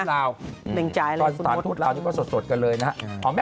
แม่งจ่ายแล้วสุโรศาสตร์ทุกลาวที่ก็สดกันเลยนะฮะ